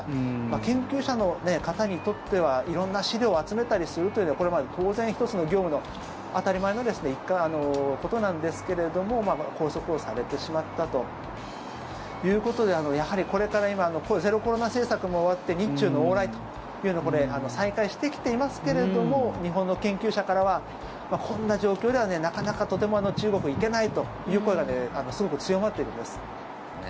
研究者の方にとっては色んな資料を集めたりするというのはこれは当然、１つの業務の当たり前のことなんですけれども拘束をされてしまったということでやはり、これから今、ゼロコロナ政策も終わって日中の往来というのが再開してきていますけれども日本の研究者からはこんな状況ではなかなか、とても中国に行けないという声がすごく強まっているんです。